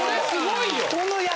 すごいな。